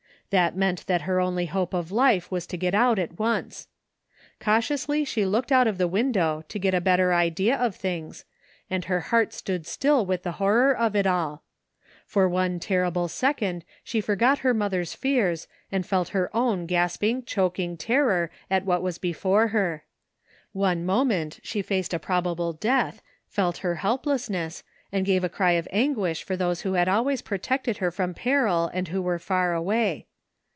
That meant that ,her only hope of life was to get out at once. Cautiously she looked out of the window to get a better idea of things and her heart stood still with the horror of it all. For one little terrible second she forgot her mother's fears and felt her own gasping, choking terror at what was before her. One moment she faced a probable death, felt her helplessness, and gave a cry of anguish for those who had always protected her from peril, and who were far away.